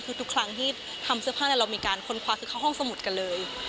คือทุกครั้งที่ทำเสื้อผ้าเรามีการค้นคว้าคือเข้าห้องสมุดกันเลย